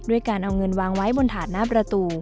การเอาเงินวางไว้บนถาดหน้าประตู